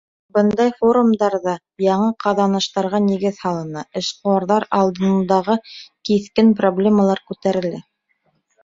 Бындай форумдарҙа яңы ҡаҙаныштарға нигеҙ һалына, эшҡыуарҙар алдындағы киҫкен проблемалар күтәрелә.